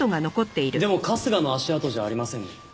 でも春日の足跡じゃありませんね。